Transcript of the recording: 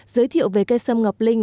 giới thiệu về cây xâm ngọc linh